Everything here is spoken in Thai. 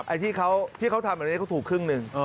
ไอ้ที่เขาทำแบบนี้เขาถูกครึ่งหนึ่ง